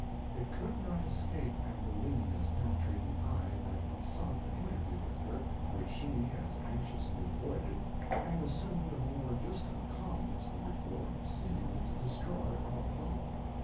It could not escape Ambulinia's penetrating eye that he sought an interview with her, which she as anxiously avoided, and assumed a more distant calmness than before, seemingly to destroy all hope.